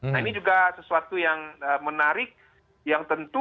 nah ini juga sesuatu yang menarik yang tentu